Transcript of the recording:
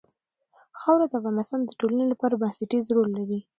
خاوره د افغانستان د ټولنې لپاره بنسټيز رول لري.